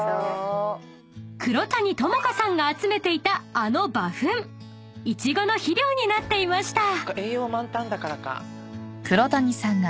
［黒谷友香さんが集めていたあの馬ふんイチゴの肥料になっていました］